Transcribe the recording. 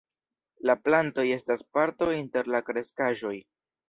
La plantoj estas parto inter la kreskaĵoj.